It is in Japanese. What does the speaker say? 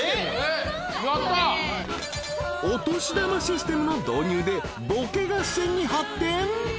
［お年玉システムの導入でボケ合戦に発展？］